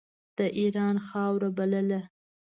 د اېران خاوره بلله.